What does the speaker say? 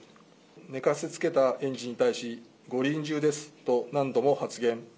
寝かせつけた園児に対し、ご臨終ですと何度も発言。